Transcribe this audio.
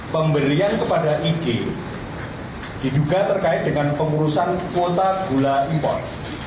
pemberian kepada ig diduga terkait dengan pengurusan kuota gula impor